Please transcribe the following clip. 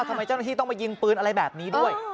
ทำไมเจ้าหน้าที่ต้องมายิงปืนอะไรแบบนี้ด้วย